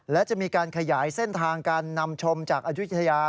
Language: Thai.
และจะมีการขยายเส้นทางการนำชมจากอายุทยา